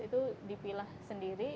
itu dipilah sendiri